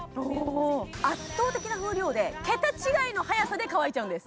圧倒的な風量で桁違いの速さで乾いちゃうんです